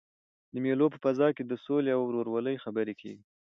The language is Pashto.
د مېلو په فضا کښي د سولي او ورورولۍ خبري کېږي.